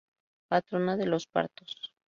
Patrona de los partos.